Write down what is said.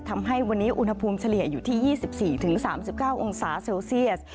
ทำให้วันนี้อุณหภูมิเฉลี่ยอยู่ที่๒๔๓๙องศาเซลเซียส